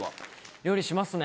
料理しますね。